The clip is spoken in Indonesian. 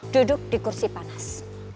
duduk di kursi panas